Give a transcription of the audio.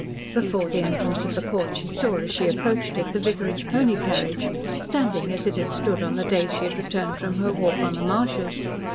Before the entrance of the Court she saw, as she approached it, the vicarage pony carriage, standing as it had stood on the day she had returned from her walk on the marshes.